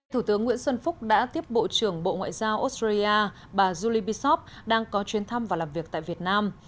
thủ tướng nguyễn xuân phúc đã tiếp bộ trưởng bộ ngoại giao australia bà julie bishop đang có chuyên thăm và làm việc tại việt nam